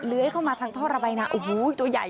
เข้ามาทางท่อระบายน้ำโอ้โหตัวใหญ่